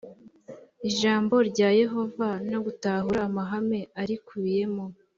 ijambo rya yehova no gutahura amahame arikubiyemo